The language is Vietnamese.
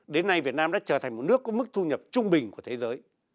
đến nay việt nam đã trở thành một nước có mức thu nhập trung bình của thế giới